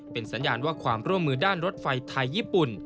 เป็นสัญญาณว่าความร่วมมือด้านรถไฟไทยญี่ปุ่น